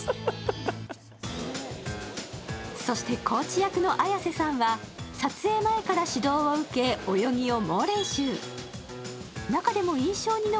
そしてコーチ役の綾瀬さんは撮影前から指導を受け、泳ぎを猛練習。